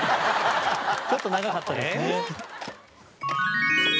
ちょっと長かったですね。